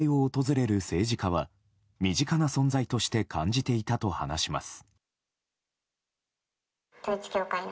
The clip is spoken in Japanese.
教会を訪れる政治家は身近な存在として感じていたと話します。